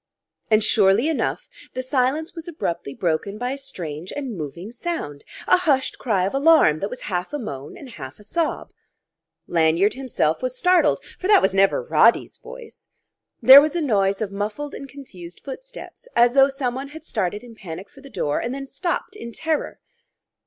And, surely enough, the silence was abruptly broken by a strange and moving sound, a hushed cry of alarm that was half a moan and half a sob. Lanyard himself was startled: for that was never Roddy's voice! There was a noise of muffled and confused footsteps, as though someone had started in panic for the door, then stopped in terror.